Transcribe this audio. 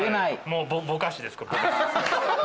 もうぼかしです。